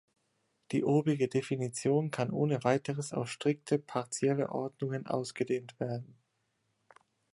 Die obige Definition kann ohne Weiteres auf strikte partielle Ordnungen ausgedehnt werden.